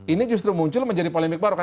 ini justru muncul menjadi polemik baru kan